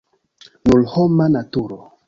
Nur homa naturo.